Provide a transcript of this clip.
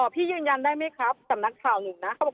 พี่ยืนยันได้ไหมครับจำนักข่าวหนูนะ